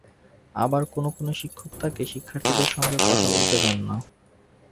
আবার কোনো কোনো শিক্ষক তাঁকে শিক্ষার্থীদের সঙ্গে কথা বলতে দেন না।